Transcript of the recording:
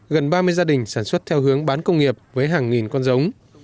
gần ba mươi gia đình sản xuất theo hướng bán công nghiệp với hàng nghìn con giống